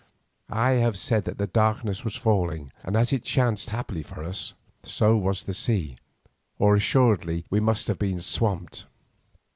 I have said that the darkness was falling, and as it chanced happily for us, so was the sea, or assuredly we must have been swamped.